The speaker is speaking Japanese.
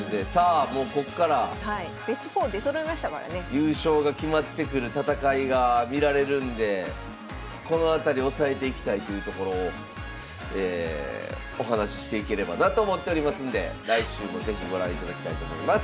優勝が決まってくる戦いが見られるんでこの辺り押さえていきたいというところをお話ししていければなと思っておりますんで来週も是非ご覧いただきたいと思います。